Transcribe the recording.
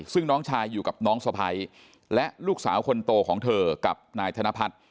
ซึ่งน้องชายอยู่กับน้องสะพ้ายและลูกสาวคนโตของเธอกับนายธนพัฒน์